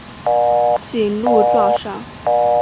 谨录状上。